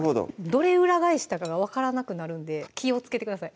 どれ裏返したかが分からなくなるんで気をつけてください